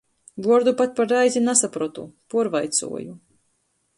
Vuordu pat par reizi nasaprotu, puorvaicuoju.